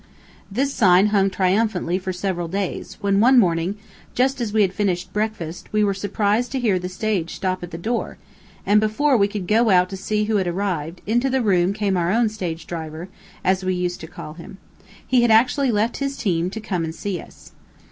This sign hung triumphantly for several days, when one morning, just as we had finished breakfast, we were surprised to hear the stage stop at the door, and before we could go out to see who had arrived, into the room came our own stage driver, as we used to call him. He had actually left his team to come and see us.